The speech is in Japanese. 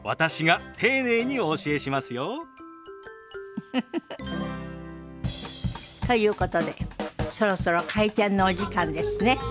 ウフフフ。ということでそろそろ開店のお時間ですね。